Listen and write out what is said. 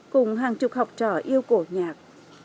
cùng hàng chục học trò yêu cổ nhạc